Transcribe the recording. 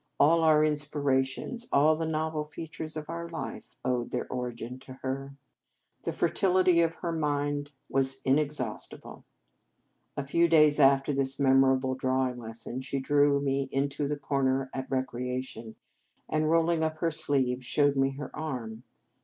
All our in spirations, all the novel features of our life, owed their origin to her. The fertility of her mind was inexhaust 246 The Game of Love ible. A few days after this memorable drawing lesson she drew me into a corner at recreation, and, rolling up her sleeve, showed me her arm.